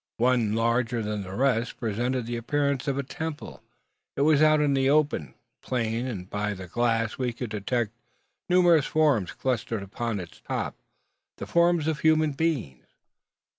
One, larger than the rest, presented the appearance of a temple. It was out on the open plain, and by the glass we could detect numerous forms clustered upon its top the forms of human beings.